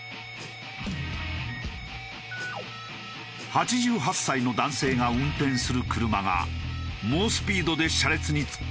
８８歳の男性が運転する車が猛スピードで車列に突っ込んだ。